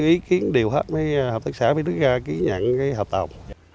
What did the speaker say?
ý kiến đều hết với hợp tác xã với nước gà ký nhận hợp tộc